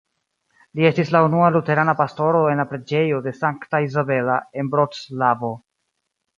Li estis la unua luterana pastoro en la Preĝejo de Sankta Izabela, en Vroclavo.